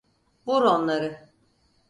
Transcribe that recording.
Vur onları!